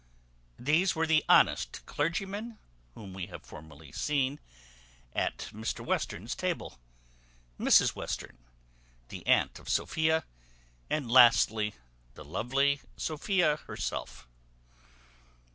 These were the honest clergyman, whom we have formerly seen at Mr Western's table; Mrs Western, the aunt of Sophia; and lastly, the lovely Sophia herself.